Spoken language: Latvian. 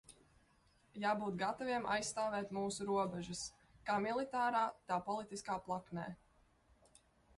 Jābūt gataviem aizstāvēt mūsu robežas, kā militārā tā politiskā plaknē.